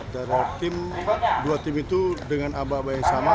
dari dua tim itu dengan abah abah yang sama